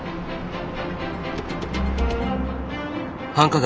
繁華街